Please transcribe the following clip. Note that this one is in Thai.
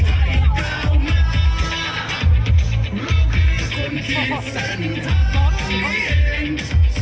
มันปลุกเท้าบนสำคัญท่าไทยเขียวแขนกันท่าใครหกลง